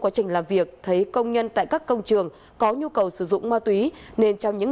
quá trình làm việc thấy công nhân tại các công trường có nhu cầu sử dụng ma túy nên trong những